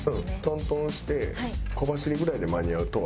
トントンして小走りぐらいで間に合うとは思う。